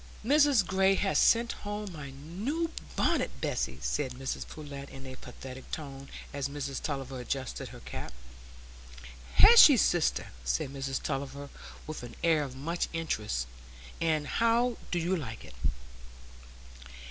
"Mrs Gray has sent home my new bonnet, Bessy," said Mrs Pullet, in a pathetic tone, as Mrs Tulliver adjusted her cap. "Has she, sister?" said Mrs Tulliver, with an air of much interest. "And how do you like it?"